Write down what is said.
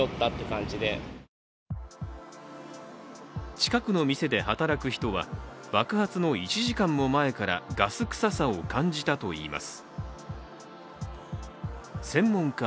近くの店で働く人は、爆発の１時間も前からガス臭さを感じたといいます。